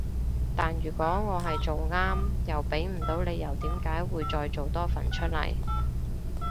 但如果我係做啱又畀唔到理由點解會再做多份出嚟